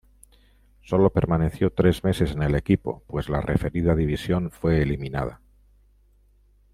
Sólo permaneció tres meses en el equipo, pues la referida división fue eliminada.